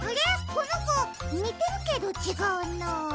このこにてるけどちがうな。